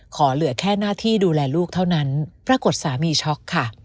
เหลือแค่หน้าที่ดูแลลูกเท่านั้นปรากฏสามีช็อกค่ะ